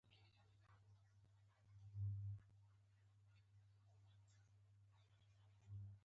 په دې هېواد کې د ډیموکراسۍ ټینګښت ستونزمن دی.